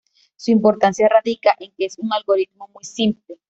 Su importancia radica en que es un algoritmo muy simple.